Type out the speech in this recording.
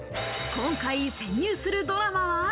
今回、潜入するドラマは。